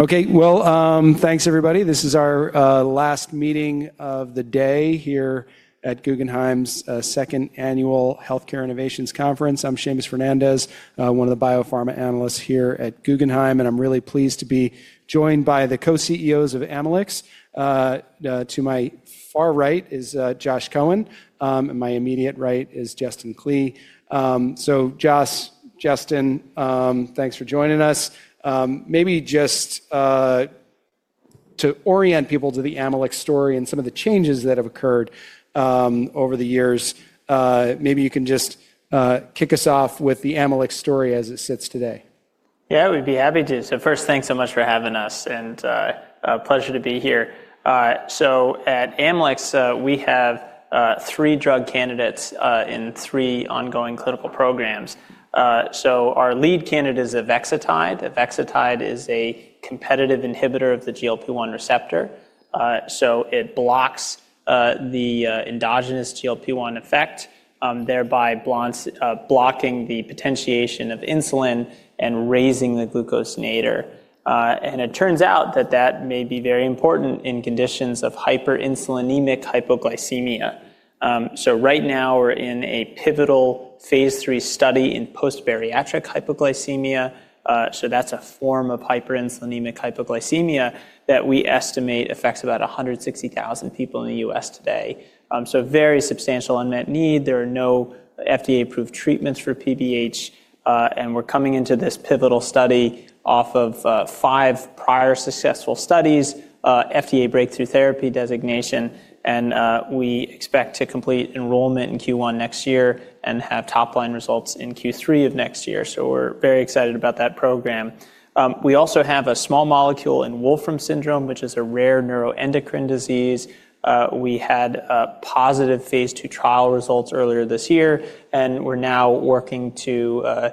Okay, thanks, everybody. This is our last meeting of the day here at Guggenheim's second annual Healthcare Innovations Conference. I'm Seamus Fernandez, one of the biopharma analysts here at Guggenheim, and I'm really pleased to be joined by the Co-CEOs of Amylyx. To my far right is Josh Cohen, and my immediate right is Justin Klee. Josh, Justin, thanks for joining us. Maybe just to orient people to the Amylyx story and some of the changes that have occurred over the years, maybe you can just kick us off with the Amylyx story as it sits today. Yeah, we'd be happy to. First, thanks so much for having us, and a pleasure to be here. At Amylyx, we have three drug candidates in three ongoing clinical programs. Our lead candidate is Avexetide. Avexetide is a competitive inhibitor of the GLP-1 receptor. It blocks the endogenous GLP-1 effect, thereby blocking the potentiation of insulin and raising the glucose nadir. It turns out that that may be very important in conditions of Hyperinsulinemic hypoglycemia. Right now, we're in a pivotal phase three study in post-bariatric hypoglycemia. That's a form of hyperinsulinemic hypoglycemia that we estimate affects about 160,000 people in the U.S. today. Very substantial unmet need. There are no FDA-approved treatments for PBH, and we're coming into this pivotal study off of five prior successful studies, FDA Breakthrough Therapy Designation, and we expect to complete enrollment in Q1 next year and have top-line results in Q3 of next year. We're very excited about that program. We also have a small molecule in Wolfram syndrome, which is a rare neuroendocrine disease. We had positive phase II trial results earlier this year, and we're now working to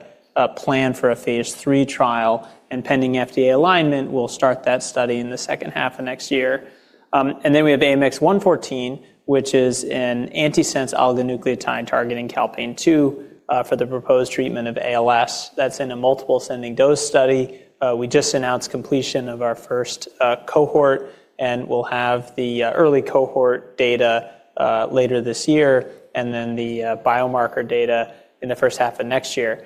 plan for a phase three trial. Pending FDA alignment, we'll start that study in the second half of next year. We have AMX114, which is an antisense oligonucleotide targeting calpain-2 for the proposed treatment of ALS. That's in a multiple ascending dose study. We just announced completion of our first cohort, and we'll have the early cohort data later this year, and then the biomarker data in the first half of next year.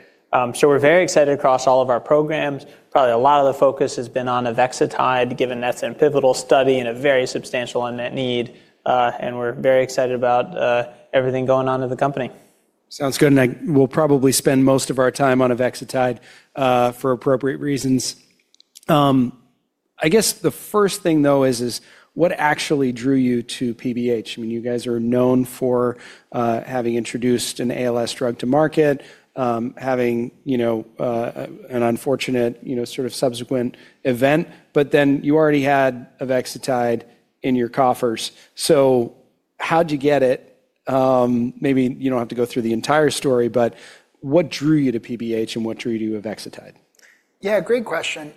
We're very excited across all of our programs. Probably a lot of the focus has been on Avexetide, given that's a pivotal study and a very substantial unmet need, and we're very excited about everything going on at the company. Sounds good. We'll probably spend most of our time on Avexetide for appropriate reasons. I guess the first thing, though, is what actually drew you to PBH? I mean, you guys are known for having introduced an ALS drug to market, having an unfortunate sort of subsequent event, but then you already had Avexetide in your coffers. How'd you get it? Maybe you don't have to go through the entire story, but what drew you to PBH, and what drew you to Avexetide? Yeah, great question.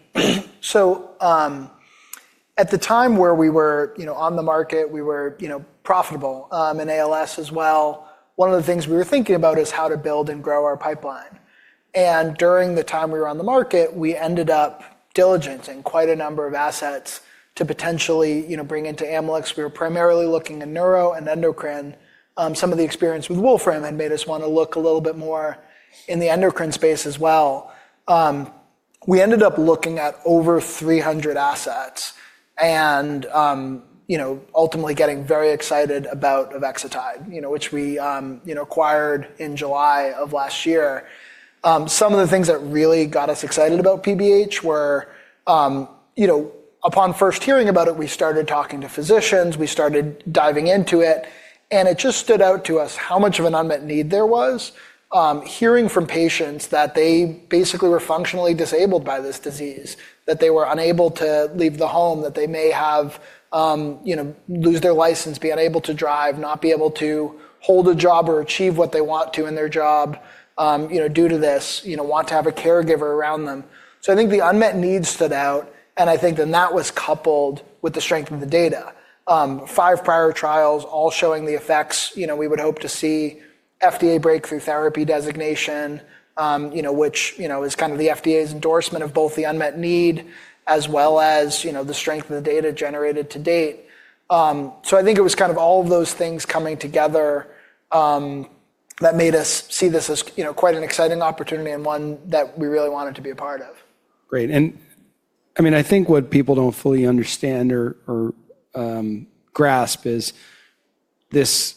At the time where we were on the market, we were profitable in ALS as well. One of the things we were thinking about is how to build and grow our pipeline. During the time we were on the market, we ended up diligent in quite a number of assets to potentially bring into Amylyx. We were primarily looking at neuro and endocrine. Some of the experience with Wolfram had made us want to look a little bit more in the endocrine space as well. We ended up looking at over 300 assets and ultimately getting very excited about Avexetide, which we acquired in July of last year. Some of the things that really got us excited about PBH were, upon first hearing about it, we started talking to physicians, we started diving into it, and it just stood out to us how much of an unmet need there was. Hearing from patients that they basically were functionally disabled by this disease, that they were unable to leave the home, that they may lose their license, be unable to drive, not be able to hold a job or achieve what they want to in their job due to this, want to have a caregiver around them. I think the unmet needs stood out, and I think then that was coupled with the strength of the data. Five prior trials all showing the effects we would hope to see: FDA Breakthrough Therapy Designation, which is kind of the FDA's endorsement of both the unmet need as well as the strength of the data generated to date. I think it was kind of all of those things coming together that made us see this as quite an exciting opportunity and one that we really wanted to be a part of. Great. I mean, I think what people don't fully understand or grasp is this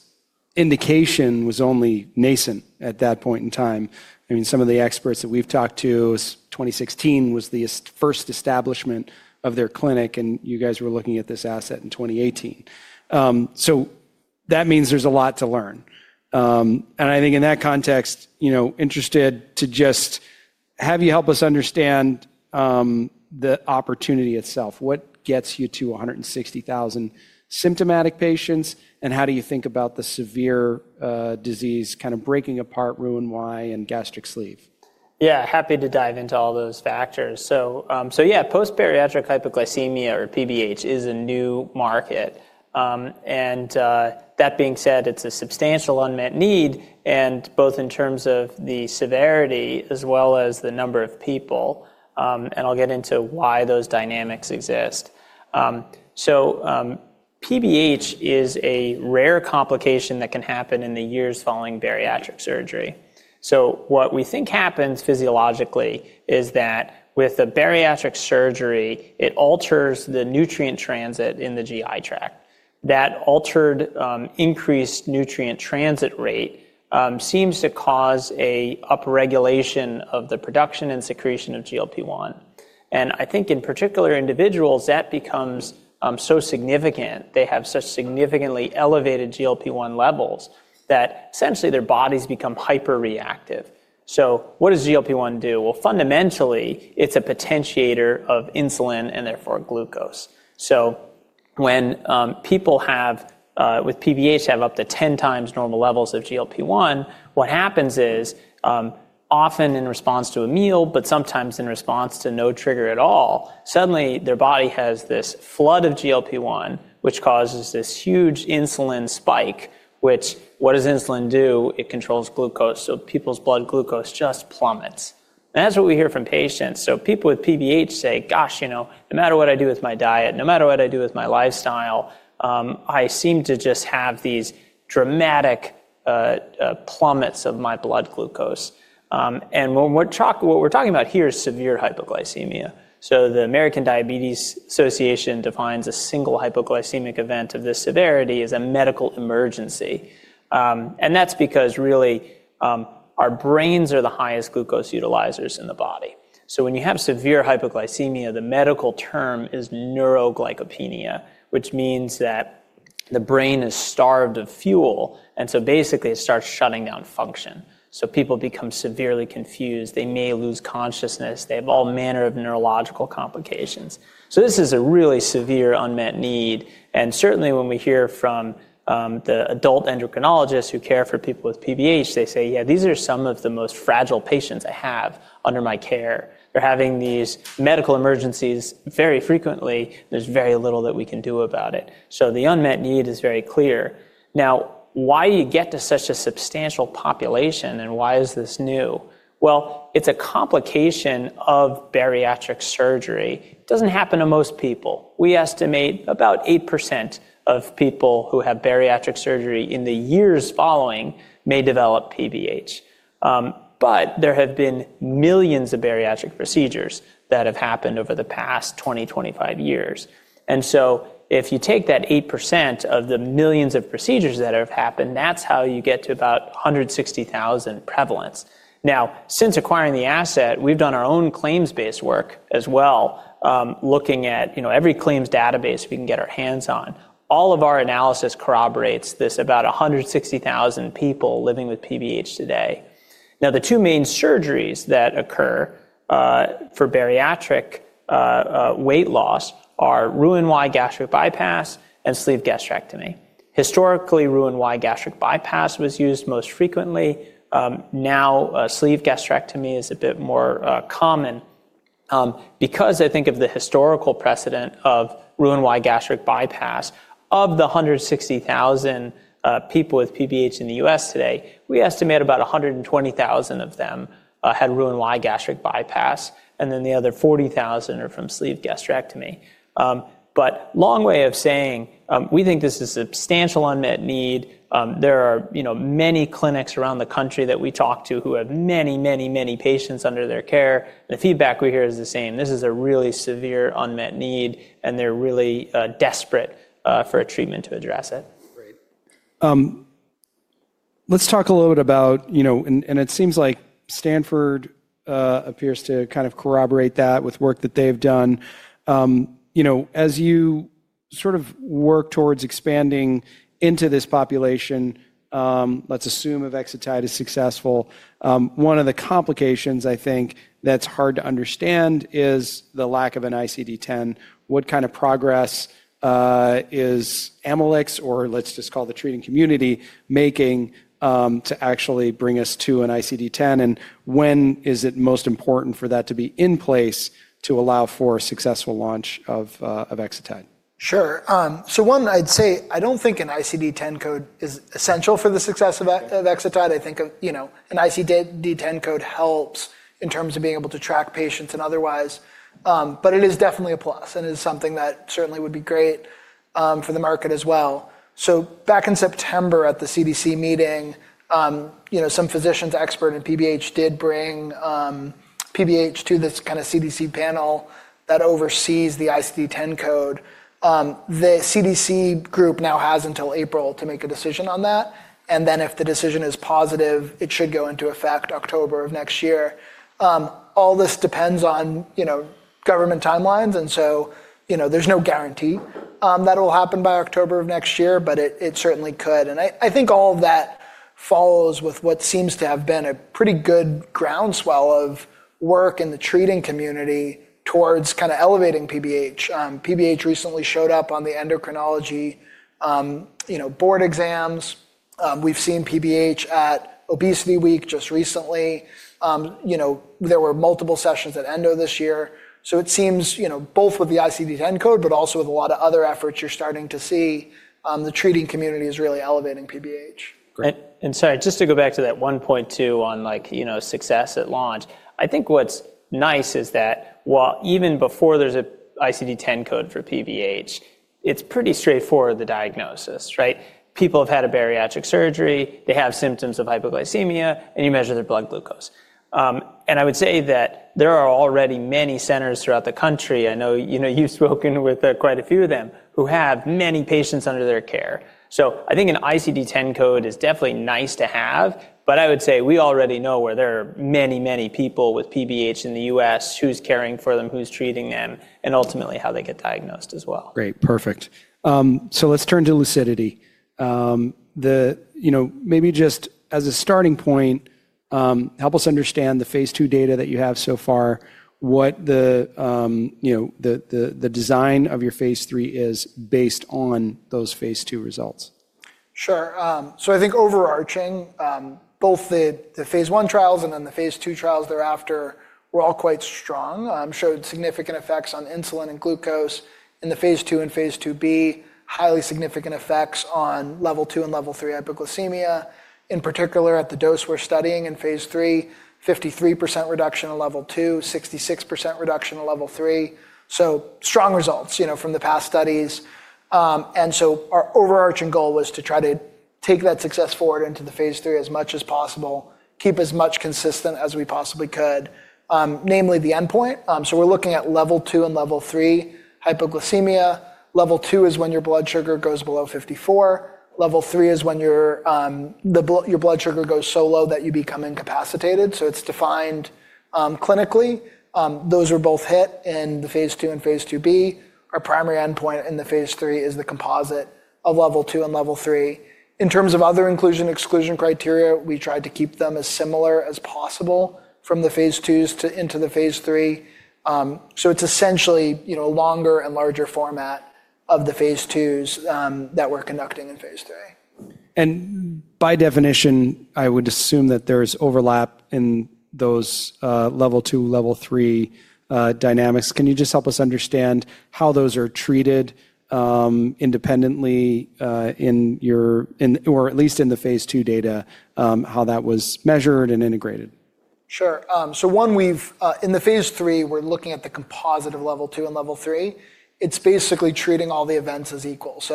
indication was only nascent at that point in time. I mean, some of the experts that we've talked to, 2016 was the first establishment of their clinic, and you guys were looking at this asset in 2018. That means there's a lot to learn. I think in that context, interested to just have you help us understand the opportunity itself. What gets you to 160,000 symptomatic patients, and how do you think about the severe disease kind of breaking apart Roux-en-Y and gastric sleeve? Yeah, happy to dive into all those factors. Yeah, post-bariatric hypoglycemia or PBH is a new market. That being said, it's a substantial unmet need, both in terms of the severity as well as the number of people, and I'll get into why those dynamics exist. PBH is a rare complication that can happen in the years following bariatric surgery. What we think happens physiologically is that with a bariatric surgery, it alters the nutrient transit in the GI tract. That altered increased nutrient transit rate seems to cause an upregulation of the production and secretion of GLP-1. I think in particular individuals, that becomes so significant. They have such significantly elevated GLP-1 levels that essentially their bodies become hyperreactive. What does GLP-1 do? Fundamentally, it's a potentiator of insulin and therefore glucose. When people with PBH have up to 10 times normal levels of GLP-1, what happens is often in response to a meal, but sometimes in response to no trigger at all, suddenly their body has this flood of GLP-1, which causes this huge insulin spike, which what does insulin do? It controls glucose. People's blood glucose just plummets. That's what we hear from patients. People with PBH say, "Gosh, no matter what I do with my diet, no matter what I do with my lifestyle, I seem to just have these dramatic plummets of my blood glucose." What we're talking about here is severe hypoglycemia. The American Diabetes Association defines a single hypoglycemic event of this severity as a medical emergency. That's because really our brains are the highest glucose utilizers in the body. When you have severe hypoglycemia, the medical term is neuroglycopenia, which means that the brain is starved of fuel, and so basically it starts shutting down function. People become severely confused. They may lose consciousness. They have all manner of neurological complications. This is a really severe unmet need. Certainly when we hear from the adult endocrinologists who care for people with PBH, they say, "Yeah, these are some of the most fragile patients I have under my care. They're having these medical emergencies very frequently. There's very little that we can do about it." The unmet need is very clear. Now, why do you get to such a substantial population and why is this new? It is a complication of bariatric surgery. It doesn't happen to most people. We estimate about 8% of people who have bariatric surgery in the years following may develop PBH. There have been millions of bariatric procedures that have happened over the past 20, 25 years. If you take that 8% of the millions of procedures that have happened, that's how you get to about 160,000 prevalence. Now, since acquiring the asset, we've done our own claims-based work as well, looking at every claims database we can get our hands on. All of our analysis corroborates this about 160,000 people living with PBH today. The two main surgeries that occur for bariatric weight loss are Roux-en-Y gastric bypass and sleeve gastrectomy. Historically, Roux-en-Y gastric bypass was used most frequently. Now, sleeve gastrectomy is a bit more common because I think of the historical precedent of Roux-en-Y gastric bypass. Of the 160,000 people with PBH in the U.S. today, we estimate about 120,000 of them had Roux-en-Y gastric bypass, and then the other 40,000 are from sleeve gastrectomy. Long way of saying, we think this is a substantial unmet need. There are many clinics around the country that we talk to who have many, many, many patients under their care. The feedback we hear is the same. This is a really severe unmet need, and they're really desperate for a treatment to address it. Great. Let's talk a little bit about, and it seems like Stanford appears to kind of corroborate that with work that they've done. As you sort of work towards expanding into this population, let's assume Avexetide is successful, one of the complications I think that's hard to understand is the lack of an ICD-10. What kind of progress is Amylyx, or let's just call the treating community, making to actually bring us to an ICD-10? When is it most important for that to be in place to allow for a successful launch of Avexetide? Sure. One, I'd say I don't think an ICD-10 code is essential for the success of Avexetide. I think an ICD-10 code helps in terms of being able to track patients and otherwise, but it is definitely a plus and is something that certainly would be great for the market as well. Back in September at the CDC meeting, some physicians expert in PBH did bring PBH to this kind of CDC panel that oversees the ICD-10 code. The CDC group now has until April to make a decision on that. If the decision is positive, it should go into effect October of next year. All this depends on government timelines, and there is no guarantee that it'll happen by October of next year, but it certainly could. I think all of that follows with what seems to have been a pretty good groundswell of work in the treating community towards kind of elevating PBH. PBH recently showed up on the endocrinology board exams. We've seen PBH at Obesity Week just recently. There were multiple sessions at Endo this year. It seems both with the ICD-10 code, but also with a lot of other efforts, you're starting to see the treating community is really elevating PBH. Sorry, just to go back to that one point too on success at launch, I think what's nice is that while even before there's an ICD-10 code for PBH, it's pretty straightforward, the diagnosis, right? People have had a bariatric surgery. They have symptoms of hypoglycemia, and you measure their blood glucose. I would say that there are already many centers throughout the country. I know you've spoken with quite a few of them who have many patients under their care. I think an ICD-10 code is definitely nice to have, but I would say we already know where there are many, many people with PBH in the U.S., who's caring for them, who's treating them, and ultimately how they get diagnosed as well. Great. Perfect. Let's turn to LUCIDITY. Maybe just as a starting point, help us understand the phase II data that you have so far, what the design of your phase three is based on those phase II results. Sure. I think overarching, both the phase I trials and then the phase II trials thereafter were all quite strong, showed significant effects on insulin and glucose in the phase II and phase IIB, highly significant effects on level two and level three hypoglycemia. In particular, at the dose we're studying in phase three, 53% reduction in level two, 66% reduction in level three. Strong results from the past studies. Our overarching goal was to try to take that success forward into the phase three as much as possible, keep as much consistent as we possibly could, namely the endpoint. We're looking at level two and level three hypoglycemia. Level two is when your blood sugar goes below 54. Level three is when your blood sugar goes so low that you become incapacitated. It's defined clinically. Those were both hit in the phase II and phase IIB. Our primary endpoint in the phase three is the composite of level two and level three. In terms of other inclusion/exclusion criteria, we tried to keep them as similar as possible from the phase IIs into the phase three. It is essentially a longer and larger format of the phase IIs that we're conducting in phase three. By definition, I would assume that there's overlap in those level two, level three dynamics. Can you just help us understand how those are treated independently in your, or at least in the phase II data, how that was measured and integrated? Sure. One, in the phase three, we're looking at the composite of level two and level three. It's basically treating all the events as equal. It's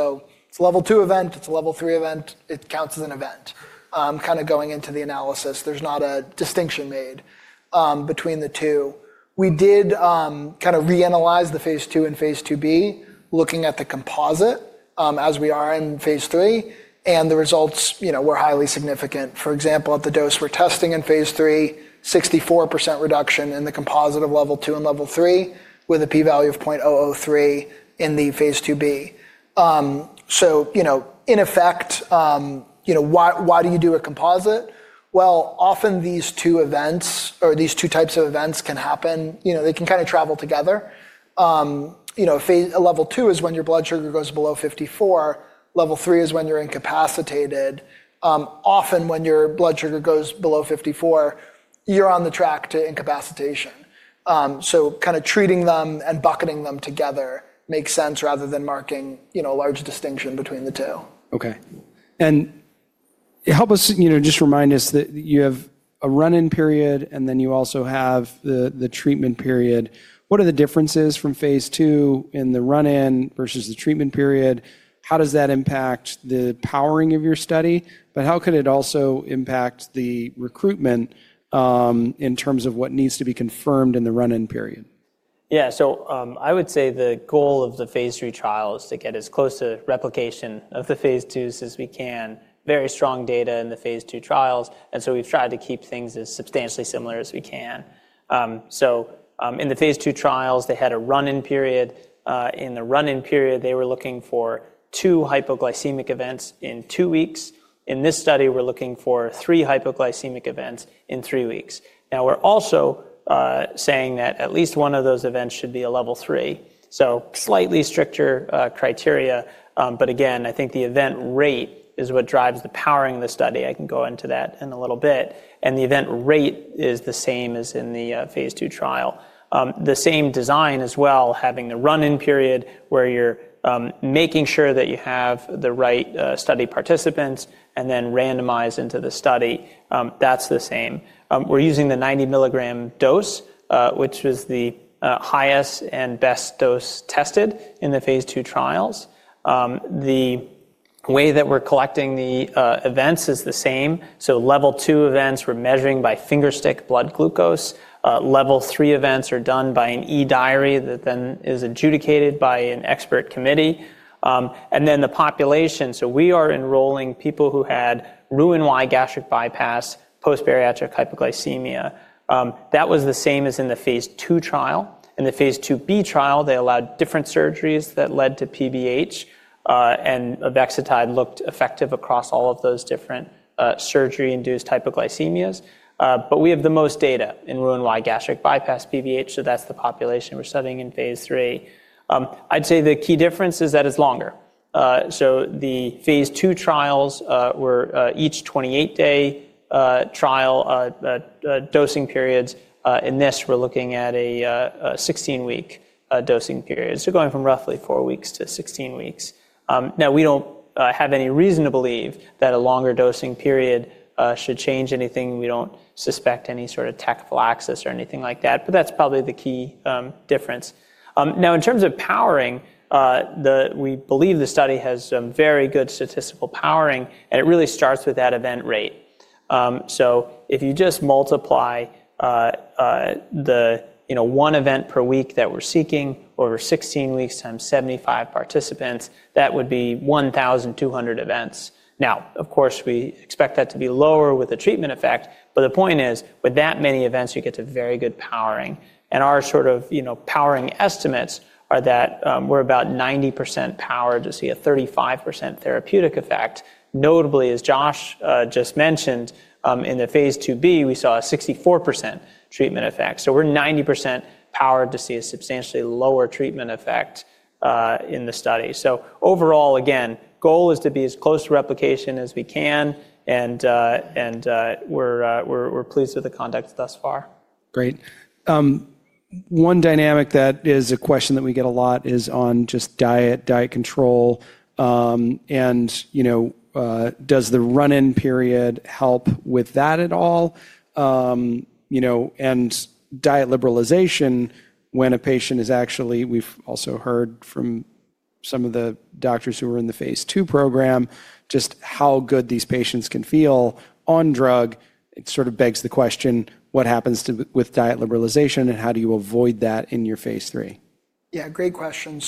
a level two event, it's a level three event, it counts as an event, kind of going into the analysis. There's not a distinction made between the two. We did kind of reanalyze the phase II phase IIB, looking at the composite as we are in phase three, and the results were highly significant. For example, at the dose we're testing in phase three, 64% reduction in the composite of level two and level three with a p-value of 0.003 in phase IIB. In effect, why do you do a composite? Often these two events or these two types of events can happen. They can kind of travel together. Level 2 is when your blood sugar goes below 54. Level 3 is when you're incapacitated. Often, when your blood sugar goes below 54, you're on the track to incapacitation. Kind of treating them and bucketing them together makes sense rather than marking a large distinction between the two. Okay. Help us just remind us that you have a run-in period, and then you also have the treatment period. What are the differences from phase II in the run-in versus the treatment period? How does that impact the powering of your study? How could it also impact the recruitment in terms of what needs to be confirmed in the run-in period? Yeah. I would say the goal of the phase three trial is to get as close to replication of the phase IIs as we can. Very strong data in the phase II trials. We have tried to keep things as substantially similar as we can. In the phase II trials, they had a run-in period. In the run-in period, they were looking for two hypoglycemic events in two weeks. In this study, we are looking for three hypoglycemic events in three weeks. We are also saying that at least one of those events should be a level three. Slightly stricter criteria. Again, I think the event rate is what drives the powering of the study. I can go into that in a little bit. The event rate is the same as in the phase II trial. The same design as well, having the run-in period where you're making sure that you have the right study participants and then randomize into the study. That's the same. We're using the 90 mg dose, which was the highest and best dose tested in the phase II trials. The way that we're collecting the events is the same. Level two events, we're measuring by fingerstick blood glucose. Level three events are done by an eDiary that then is adjudicated by an expert committee. The population, we are enrolling people who had Roux-en-Y gastric bypass, post-bariatric hypoglycemia. That was the same as in the phase II trial. In the phase 2b trial, they allowed different surgeries that led to PBH, and Avexetide looked effective across all of those different surgery-induced hypoglycemia. We have the most data in Roux-en-Y gastric bypass PBH, so that's the population we're studying in phase three. I'd say the key difference is that it's longer. The phase II trials were each 28-day trial dosing periods. In this, we're looking at a 16-week dosing period. Going from roughly four weeks to 16 weeks. We don't have any reason to believe that a longer dosing period should change anything. We don't suspect any sort of technical axis or anything like that, but that's probably the key difference. In terms of powering, we believe the study has very good statistical powering, and it really starts with that event rate. If you just multiply the one event per week that we're seeking over 16 weeks times 75 participants, that would be 1,200 events. Now, of course, we expect that to be lower with the treatment effect, but the point is with that many events, you get to very good powering. And our sort of powering estimates are that we're about 90% powered to see a 35% therapeutic effect. Notably, as Josh just mentioned, in phase IIB, we saw a 64% treatment effect. So we're 90% powered to see a substantially lower treatment effect in the study. So overall, again, goal is to be as close to replication as we can, and we're pleased with the conduct thus far. Great. One dynamic that is a question that we get a lot is on just diet, diet control. Does the run-in period help with that at all? Diet liberalization when a patient is actually, we've also heard from some of the doctors who were in the phase II program, just how good these patients can feel on drug, it sort of begs the question, what happens with diet liberalization and how do you avoid that in your phase three? Yeah, great question.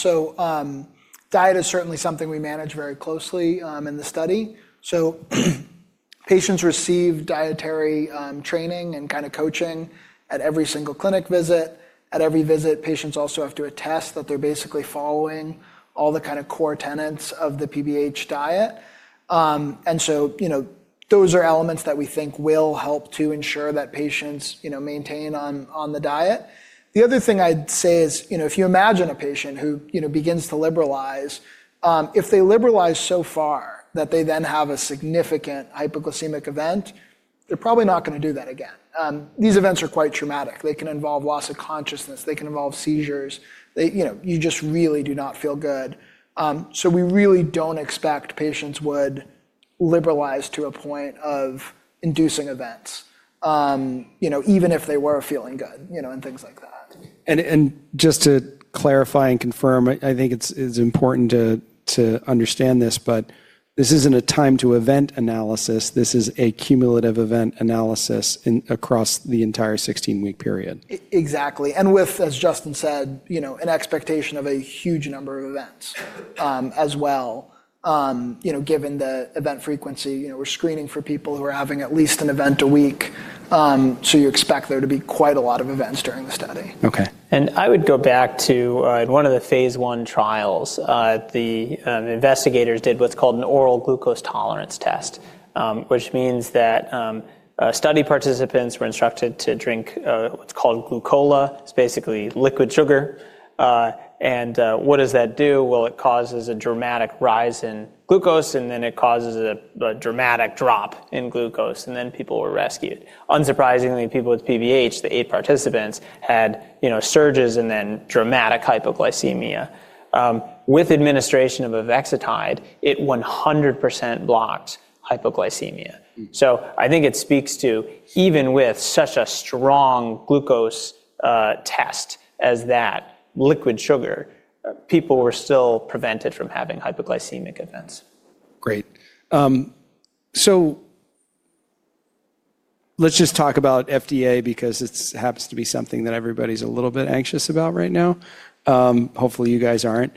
Diet is certainly something we manage very closely in the study. Patients receive dietary training and kind of coaching at every single clinic visit. At every visit, patients also have to attest that they're basically following all the kind of core tenets of the PBH diet. Those are elements that we think will help to ensure that patients maintain on the diet. The other thing I'd say is if you imagine a patient who begins to liberalize, if they liberalize so far that they then have a significant hypoglycemic event, they're probably not going to do that again. These events are quite traumatic. They can involve loss of consciousness. They can involve seizures. You just really do not feel good. We really don't expect patients would liberalize to a point of inducing events, even if they were feeling good and things like that. Just to clarify and confirm, I think it's important to understand this, but this isn't a time-to-event analysis. This is a cumulative event analysis across the entire 16-week period. Exactly. With, as Justin said, an expectation of a huge number of events as well, given the event frequency. We're screening for people who are having at least an event a week. You expect there to be quite a lot of events during the study. Okay. I would go back to one of the phase I trials. The investigators did what's called an oral glucose tolerance test, which means that study participants were instructed to drink what's called glucola. It's basically liquid sugar. What does that do? It causes a dramatic rise in glucose, and then it causes a dramatic drop in glucose. People were rescued. Unsurprisingly, people with PBH, the eight participants, had surges and then dramatic hypoglycemia. With administration of Avexetide, it 100% blocks hypoglycemia. I think it speaks to even with such a strong glucose test as that liquid sugar, people were still prevented from having hypoglycemic events. Great. Let's just talk about FDA because it happens to be something that everybody's a little bit anxious about right now. Hopefully, you guys aren't.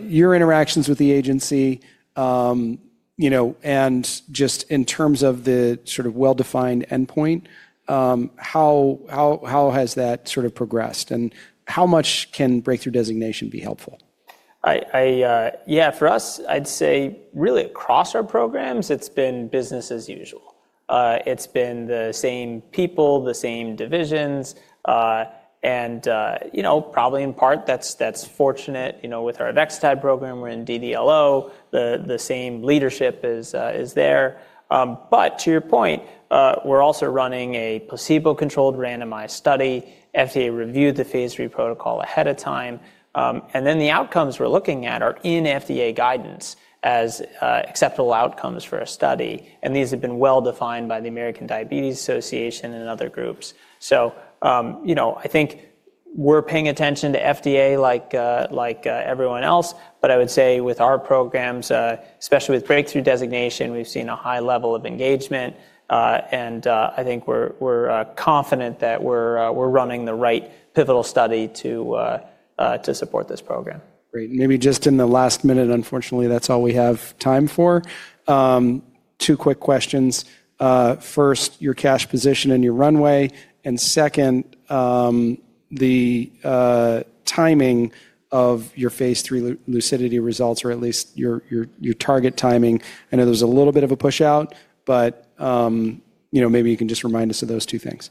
Your interactions with the agency and just in terms of the sort of well-defined endpoint, how has that sort of progressed? How much can breakthrough designation be helpful? Yeah, for us, I'd say really across our programs, it's been business as usual. It's been the same people, the same divisions. Probably in part, that's fortunate. With our Avexetide program, we're in DDLO. The same leadership is there. To your point, we're also running a placebo-controlled randomized study. FDA reviewed the phase three protocol ahead of time. The outcomes we're looking at are in FDA guidance as acceptable outcomes for a study. These have been well-defined by the American Diabetes Association and other groups. I think we're paying attention to FDA like everyone else, but I would say with our programs, especially with breakthrough designation, we've seen a high level of engagement. I think we're confident that we're running the right pivotal study to support this program. Great. Maybe just in the last minute, unfortunately, that's all we have time for. Two quick questions. First, your cash position and your runway. And second, the timing of your phase three LUCIDITY results, or at least your target timing. I know there's a little bit of a push out, but maybe you can just remind us of those two things.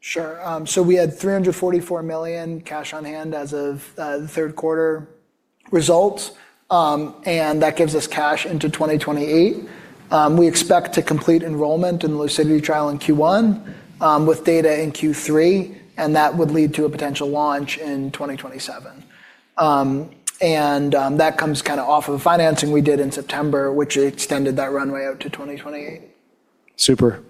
Sure. We had $344 million cash on hand as of the third quarter results. That gives us cash into 2028. We expect to complete enrollment in the LUCIDITY trial in Q1 with data in Q3, and that would lead to a potential launch in 2027. That comes kind of off of the financing we did in September, which extended that runway out to 2028. Super.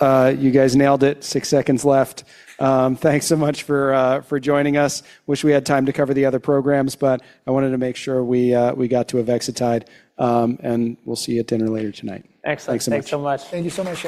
You guys nailed it. Six seconds left. Thanks so much for joining us. Wish we had time to cover the other programs, but I wanted to make sure we got to Avexetide. We'll see you at dinner later tonight. Excellent. Thanks so much. Thank you so much.